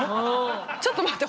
ちょっと待って。